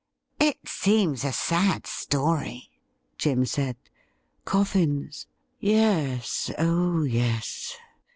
' It seems a sad story,' Jim said. ' Coffin's ? Yes, oh yes